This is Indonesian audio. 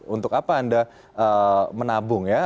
untuk apa anda menabung ya